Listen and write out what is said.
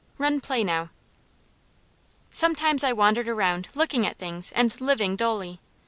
Run play now!" Sometimes I wandered around looking at things and living dully.